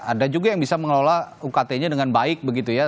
ada juga yang bisa mengelola ukt nya dengan baik begitu ya